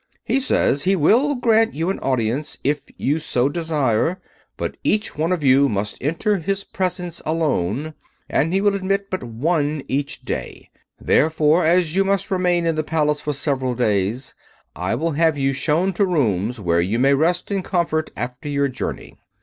He said he will grant you an audience, if you so desire; but each one of you must enter his presence alone, and he will admit but one each day. Therefore, as you must remain in the Palace for several days, I will have you shown to rooms where you may rest in comfort after your journey."